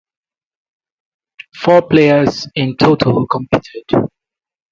Four players in total competed.